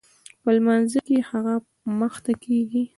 په لمانځه کښې هغه مخته کېږي.